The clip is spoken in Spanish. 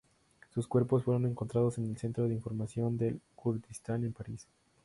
Sus cuerpos fueron encontrados en el Centro de Información del Kurdistán en París.